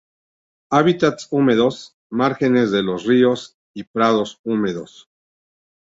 Hábitats húmedos, márgenes de los ríos y prados húmedos.